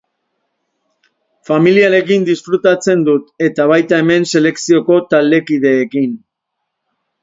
Familiarekin disfrutatzen dut eta baita hemen selekzioko taldekideekin.